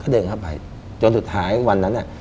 เดินเข้าไปจนสุดท้ายวันนั้น